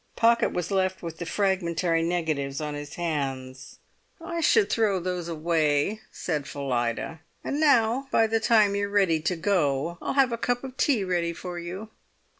Pocket was left with the fragmentary negatives on his hands. "I should throw those away," said Phillida. "And now, by the time you're ready to go, I'll have a cup of tea ready for you."